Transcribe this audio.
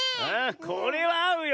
これはあうよ